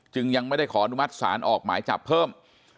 ยังไม่ได้ขออนุมัติศาลออกหมายจับเพิ่ม